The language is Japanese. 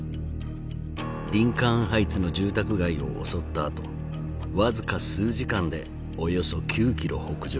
リンカーン・ハイツの住宅街を襲ったあと僅か数時間でおよそ９キロ北上。